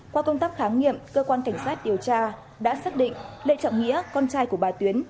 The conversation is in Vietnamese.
qua công tác khám nghiệm cơ quan cảnh sát điều tra đã xác định lê trọng nghĩa con trai của bà tuyến